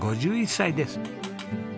５１歳です。